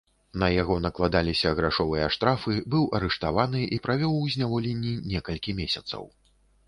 На яго накладаліся грашовыя штрафы, быў арыштаваны і правёў у зняволенні некалькі месяцаў.